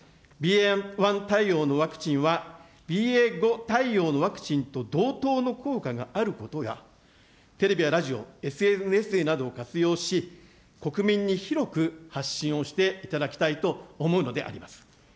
１対応のワクチンはＢＡ．５対応のワクチンと同等の効果があることや、テレビやラジオ、ＳＮＳなどを活用し、国民に広く発信をしていただきたいと思うのであります。